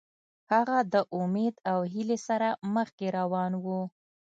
هغه د امید او هیلې سره مخکې روان و.